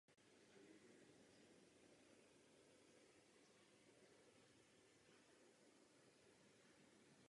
Zásadně nesouhlasím s plány Komise.